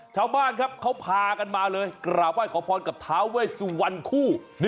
ชาวบ้านครับเขาพากันมาเลยกล่าวว่าขอพรกับท้าวเว้ยสู่วันคู่